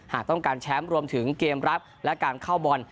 หากต้องการแชมป์รวมถึงเกมรับและการเข้าบอล